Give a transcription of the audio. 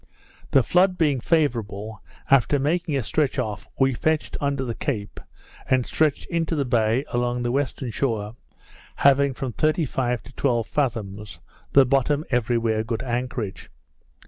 The flood being favourable, after making a stretch off, we fetched under the Cape, and stretched into the bay along the western shore, having from thirty five to twelve fathoms, the bottom everywhere good anchorage.